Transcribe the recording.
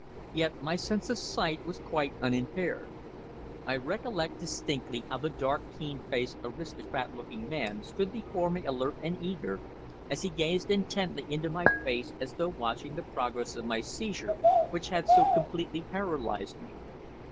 Yet my sense of sight was quite unimpaired. I recollect distinctly how the dark keen faced aristocrat looking man stood before me alert and eager, as he gazed intently into my face as though watching the progress of my seizure which had so completely paralysed me.